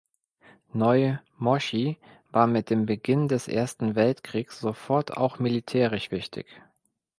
Neu Moschi war mit dem Beginn des Ersten Weltkrieges sofort auch militärisch wichtig.